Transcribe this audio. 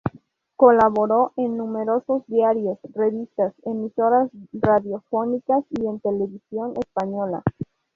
Colaboró en numerosos diarios, revistas, emisoras radiofónicas y en Televisión Española.